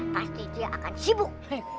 pasti dia akan sibuk